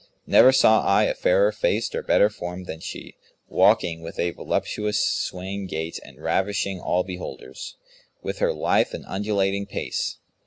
Never saw I a fairer faced or better formed than she, walking with a voluptuous swaying gait and ravishing all beholders with her lithe and undulating pace.